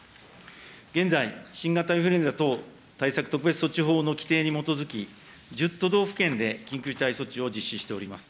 現在、新型インフルエンザ等対策特別措置法の規定に基づき、１０都道府県で緊急事態措置を実施しております。